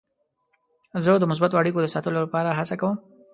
زه د مثبتو اړیکو د ساتلو لپاره هڅه کوم.